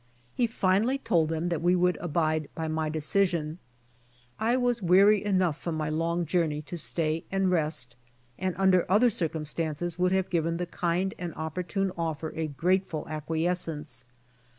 He finally told them that he would abide by my decision. I was weary enough from miy long journey to stay and rest, and under other circumstances would have given the kind and opportune offer a grateful acquiescence.